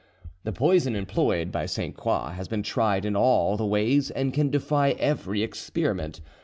"The poison employed by Sainte Croix has been tried in all the ways, and can defy every experiment.